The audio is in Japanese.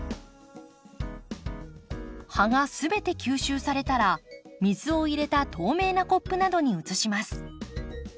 葉が全て吸収されたら水を入れた透明なコップなどに移します。